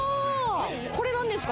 これ、なんですか？